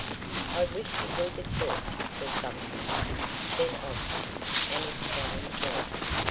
"I wish he was a Turk for some things," said Oswald, and explained why.